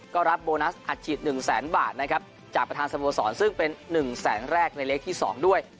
ก็รับโบนัสอัดฉีด๑แสนบาทนะครับจากประธานสโมสรซึ่งเป็น๑แสนแรกในเลขที่๒ด้วย